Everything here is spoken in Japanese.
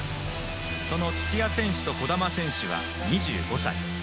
その土屋選手と児玉選手は２５歳。